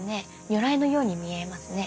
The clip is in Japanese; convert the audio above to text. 如来のように見えますね。